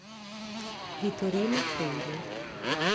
Vitorino Freire